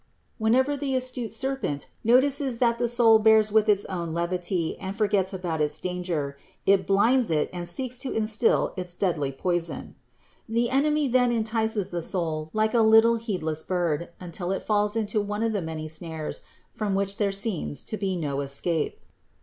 Whenever the astute THE INCARNATION 229 serpent notices that the soul bears with its own levity and forgets about its danger, it blinds it and seeks to instill its deadly poison. The enemy then entices the soul like a little heedless bird, until it falls into one of the many snares from which there seems to be no escape.